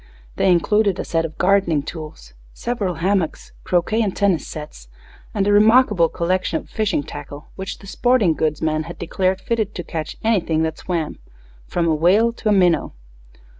They included a set of gardening tools, several hammocks, croquet and tennis sets, and a remarkable collection of fishing tackle, which the sporting goods man had declared fitted to catch anything that swam, from a whale to a minnow.